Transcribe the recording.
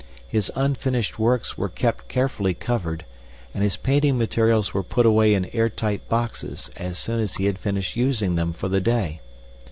His unfinished works were kept carefully covered and his painting materials were put away in airtight boxes as soon as he had finished using them for the day.